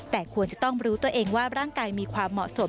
แต่ควรจะต้องรู้ตัวเองว่าร่างกายมีความเหมาะสม